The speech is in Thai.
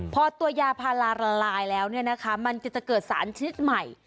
พอตัวยาพาราละลายแล้วมันจะเกิดสารชนิดใหม่